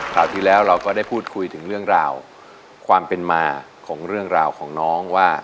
ราวที่แล้วเราก็ได้พูดคุยถึงเรื่องราวความเป็นมาของเรื่องราวของน้องว่า